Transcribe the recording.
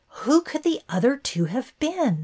Who could the other two have been ?